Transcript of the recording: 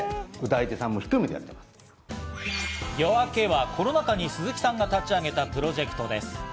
ＹＯＡＫＥはコロナ禍に鈴木さんが立ち上げたプロジェクトです。